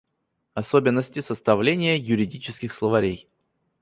Особенности составления юридических словарей.